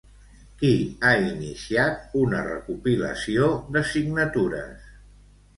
Qui ha iniciat una recopilació de signatures?